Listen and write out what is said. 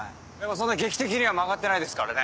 そんな劇的には曲がってないですからね。